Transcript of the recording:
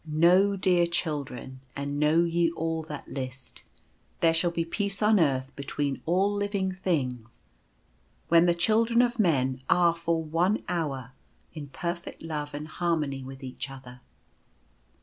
" Know, dear children, and know ye all that list — there shall be peace on earth between all living things when the chil dren of men are lor one hour in perfect Coming Home. 189 love and harmony with each other.